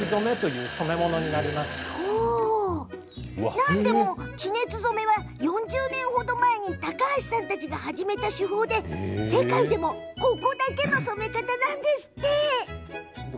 何でも地熱染めは４０年ほど前に高橋さんたちが始めた手法で世界でもここだけの染め方なんですって。